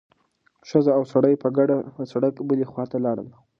ښځه او سړی په ګډه د سړک بلې خوا ته لاړل.